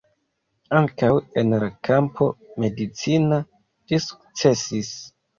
Ankaŭ en la kampo medicina li sukcesis.